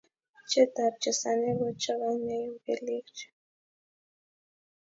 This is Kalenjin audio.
cheet ap chesanet kochokanee keliek chuu